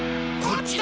こっち！